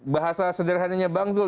bahasa sederhananya bang zul